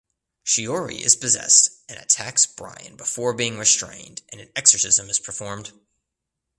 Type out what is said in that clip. Shiori is possessed and attacks Bryan before being restrained and an exorcism is performed.